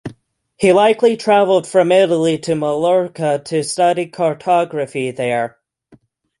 He likely traveled from Italy to Mallorca to study cartography there.